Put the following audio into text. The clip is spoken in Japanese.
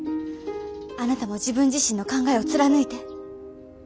あなたも自分自身の考えを貫いて。